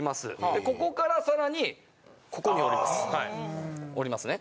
でここから更にここに折ります折りますね。